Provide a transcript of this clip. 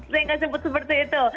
saya nggak sebut seperti itu